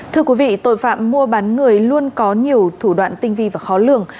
thưa quý vị tội phạm mua bán người luôn có nhiều thủ đoạn tinh vi và khó lường